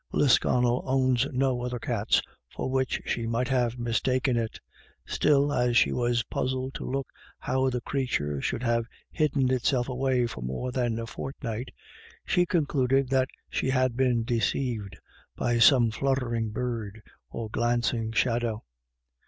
Lisconnel owns no other cats for which she might have mistaken it ; still, as she was puz 304 IRISH IDYLLS. zled to think how the creature should have hidden itself away for more than a fortnight, she concluded that she had been deceived by some fluttering bird or glancing shadow.